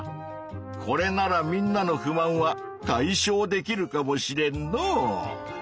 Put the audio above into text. これならみんなの不満は解消できるかもしれんのう。